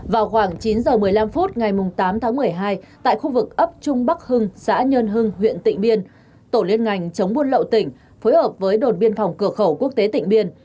vào khoảng chín h một mươi năm phút ngày tám tháng một mươi hai tại khu vực ấp trung bắc hưng xã nhơn hưng huyện tịnh biên tổ liên ngành chống buôn lậu tỉnh phối hợp với đồn biên phòng cửa khẩu quốc tế tịnh biên